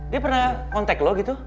dia pernah kontak lo gitu